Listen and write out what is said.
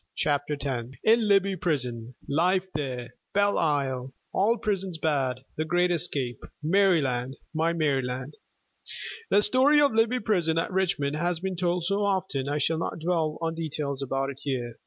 CHAPTER X In Libby Prison Life there "Belle Isle" All prisons bad The great escape "Maryland, My Maryland." The story of Libby Prison at Richmond has been told so often I shall not dwell on details about it here.